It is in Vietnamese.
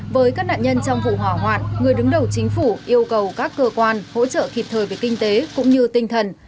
với các nạn nhân trong vụ hỏa hoạt người đứng đầu chính phủ yêu cầu các cơ quan hỗ trợ kịp thời về kinh tế cũng như tinh thần